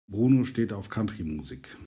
Bruno steht auf Country-Musik.